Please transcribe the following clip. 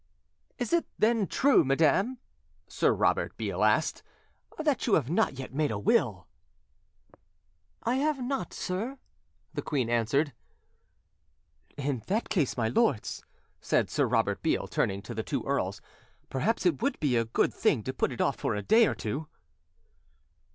"Is it then true, madam," Sir Robert Beale asked, "that you have not yet made a will?" "I have not, sir," the queen answered. "In that case, my lords," said Sir Robert Beale, turning to the two earls, "perhaps it would be a good thing to put it off for a day or two."